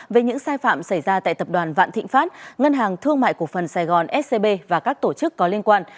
về những sai phạm xảy ra tại tập đoàn vạn thịnh pháp ngân hàng thương mại cổ phần sài gòn scb và các tổ chức có liên quan